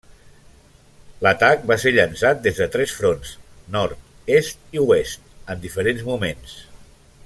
L'atac va ser llançat des de tres fronts -nord, est i oest- en diferents moments.